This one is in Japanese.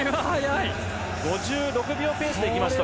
５６秒ペースでいきますと。